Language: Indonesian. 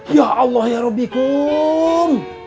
ya allah ya rabbi kum